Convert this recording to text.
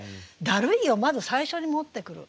「だるい」をまず最初に持ってくる。